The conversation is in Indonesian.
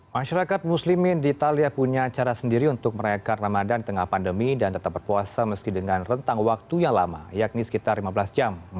masyarakat muslimin di italia punya cara sendiri untuk merayakan ramadan di tengah pandemi dan tetap berpuasa meski dengan rentang waktu yang lama yakni sekitar lima belas jam